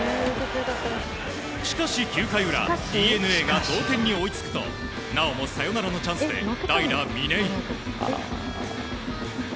しかし、９回裏ＤｅＮＡが同点に追いつくもなおもサヨナラのチャンスで代打、嶺井。